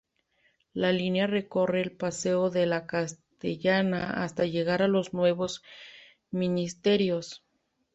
La línea recorre el Paseo de la Castellana hasta llegar a los Nuevos Ministerios.